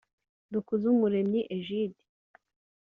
Dukuzumuremyi Egide